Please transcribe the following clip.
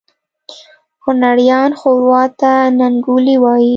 کونړیان ښوروا ته ننګولی وایي